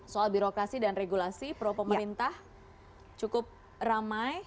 soal birokrasi dan regulasi pro pemerintah cukup ramai